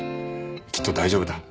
きっと大丈夫だ。